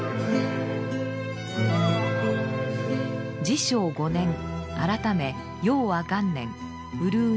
治承５年改め養和元年うるう